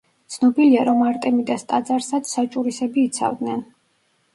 ცნობილია, რომ არტემიდას ტაძარსაც საჭურისები იცავდნენ.